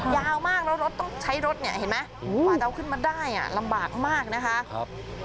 ยาวมากคุณแล้วต้องใช้รถนี่เห็นมะขวาเจ้าขึ้นมาได้อ่ะลำบากมากนะคะ